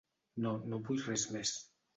No, no vull res més.